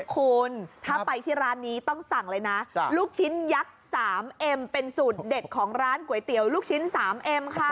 คุณถ้าไปที่ร้านนี้ต้องสั่งเลยนะลูกชิ้นยักษ์๓เอ็มเป็นสูตรเด็ดของร้านก๋วยเตี๋ยวลูกชิ้นสามเอ็มค่ะ